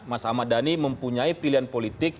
mas ahmad dhani mempunyai pilihan politik